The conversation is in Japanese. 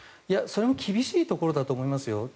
それも厳しいところだと思いますよ。